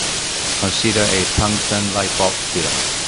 Consider a tungsten light-bulb filament.